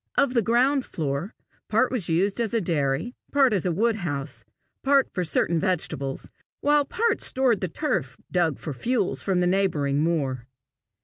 Of the ground floor, part was used as a dairy, part as a woodhouse, part for certain vegetables, while part stored the turf dug for fuel from the neighbouring moor.